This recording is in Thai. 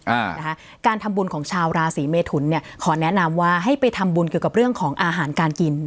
อ่านะคะการทำบุญของชาวราศีเมทุนเนี่ยขอแนะนำว่าให้ไปทำบุญเกี่ยวกับเรื่องของอาหารการกิน